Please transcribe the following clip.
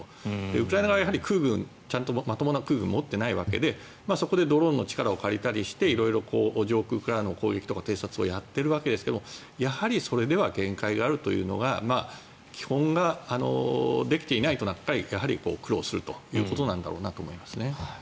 ウクライナ側は空軍ちゃんとまともな空軍を持っていないわけでそこでドローンの力を借りたりして色々、上空からの攻撃とか偵察をやっているわけですがやはりそれでは限界があるというのは基本ができていないと苦労するということなんだと思います。